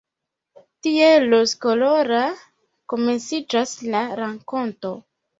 Tiel rozkolora komenciĝas la rakonto.